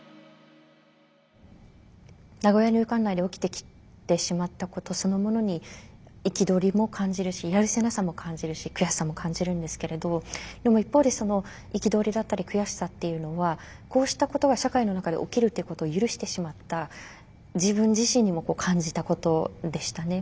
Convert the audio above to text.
名古屋入管内で起きてきてしまったことそのものに憤りも感じるしやるせなさも感じるし悔しさも感じるんですけれどでも一方で憤りだったり悔しさっていうのはこうしたことが社会の中で起きるっていうことを許してしまった自分自身にも感じたことでしたね。